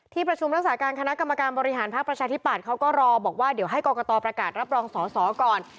ประชุมรักษาการคณะกรรมการบริหารพักประชาธิปัตย์เขาก็รอบอกว่าเดี๋ยวให้กรกตประกาศรับรองสอสอก่อน